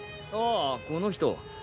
ああこの人。